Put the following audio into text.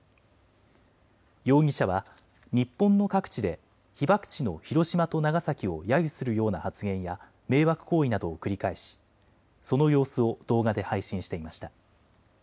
容疑者は日本の各地で被爆地の広島と長崎をやゆするような発言や迷惑行為などを繰り返しその様子を動画で配信していました。